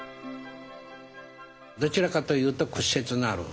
どちらかというと屈折のある。